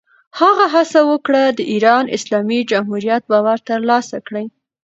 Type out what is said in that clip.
هغه هڅه وکړه، د ایران اسلامي جمهوریت باور ترلاسه کړي.